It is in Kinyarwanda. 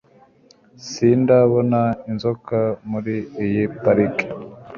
sindabona inzoka muri iyi pariki.